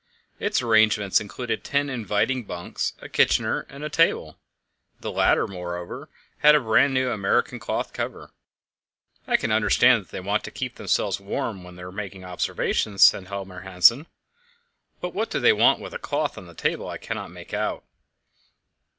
Its arrangements included ten inviting bunks, a kitchener, and a table; the latter, moreover, had a brand new American cloth cover. "I can understand that they want to keep themselves warm when they're making observations," said Helmer Hanssen; "but what they want with a cloth on the table I can't make out."